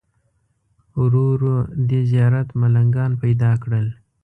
ورو ورو دې زیارت ملنګان پیدا کړل.